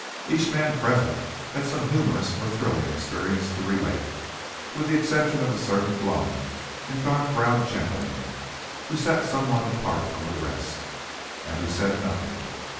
Each man present had some humorous or thrilling experience to relate, with the exception of a certain glum and dark browed gentleman, who sat somewhat apart from the rest, and who said nothing.